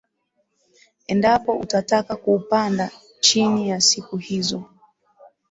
endapo utataka kuupanda chini ya siku hizo